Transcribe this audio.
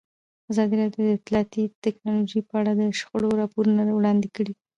ازادي راډیو د اطلاعاتی تکنالوژي په اړه د شخړو راپورونه وړاندې کړي.